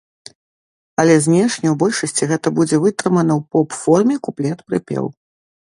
Але знешне ў большасці гэта будзе вытрымана ў поп-форме куплет-прыпеў.